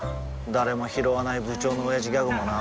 誰もひろわない部長のオヤジギャグもな